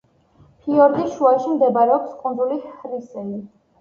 ფიორდის შუაში მდებარეობს კუნძული ჰრისეი.